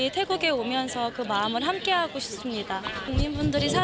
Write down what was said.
แต่ผมมีชีวิตที่ไม่ได้นะ